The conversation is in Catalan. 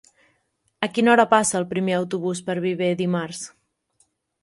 A quina hora passa el primer autobús per Viver dimarts?